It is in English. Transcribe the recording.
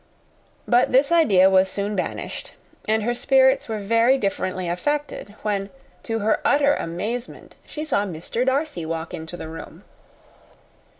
But this idea was soon banished, and her spirits were very differently affected, when, to her utter amazement, she saw Mr. Darcy walk into the room.